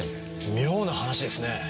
妙な話ですね。